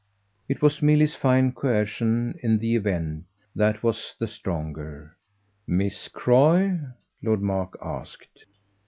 It was Milly's fine coercion, in the event, that was the stronger. "Miss Croy?" Lord Mark asked.